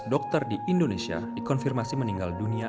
satu ratus lima belas dokter di indonesia dikonfirmasi meninggal dunia